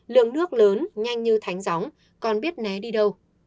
lượng nước lớn nhanh như thánh gióng còn biết né đi đâu